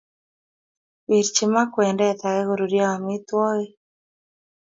Wirchin maa kwendet ake koruryo amitwogik.